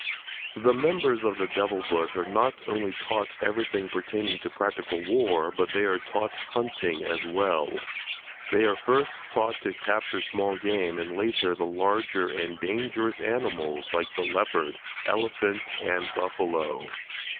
The members of the "Devil Bush" are not only taught everything pertaining to practical war, but they are taught hunting as well. They are first taught to capture small game and later the larger and dangerous animals like the leopard, elephant, and buffalo.